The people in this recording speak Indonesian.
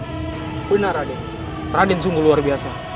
benar raden raden sungguh luar biasa